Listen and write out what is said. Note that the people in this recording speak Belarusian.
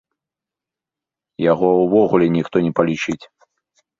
Яго ўвогуле ніхто не палічыць!